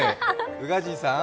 宇賀神さん？